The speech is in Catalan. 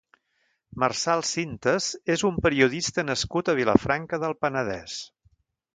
Marçal Sintes és un periodista nascut a Vilafranca del Penedès.